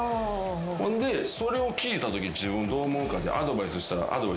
ほんでそれを聞いたとき自分どう思うかってアドバイスしたらアドバイス出てきます。